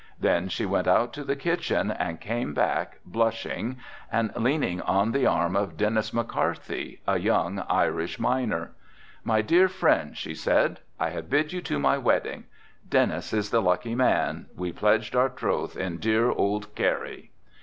Then she went out to the kitchen and came back blushing and leaning on the arm of Dennis McCarthy, a young Irish miner. "My dear friends," she said, "I have bid you to my wedding. Dennis is the lucky man, we pledged our troth in dear old Kerry."